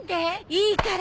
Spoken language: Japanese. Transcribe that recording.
いいから！